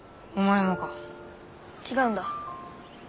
違うんだ。